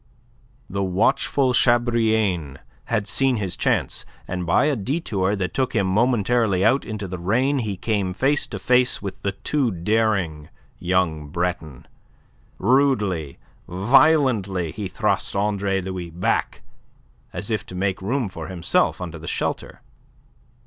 The watchful Chabrillane had seen his chance, and by a detour that took him momentarily out into the rain, he came face to face with the too daring young Breton. Rudely, violently, he thrust Andre Louis back, as if to make room for himself under the shelter.